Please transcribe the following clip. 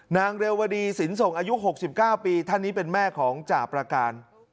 นางเรวดีสินส่งอายุ๖๙ปีท่านนี้เป็นแม่ของจ่าประการ